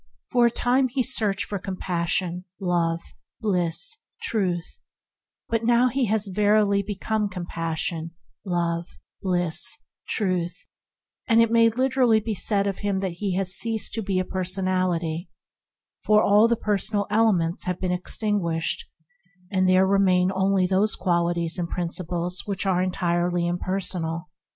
For a time he searched for Compassion, Love, Bliss, Truth; but now he has verily become 70 ENTERING THE KINGDOM Compassion, Love, Bliss, Truth; and it may literally he said of him that he has ceased to be a personality, for all the per sonal elements have been extinguished, and there remain only qualities and prin ciples entirely impersonal.